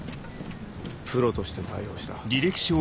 プロとして対応した。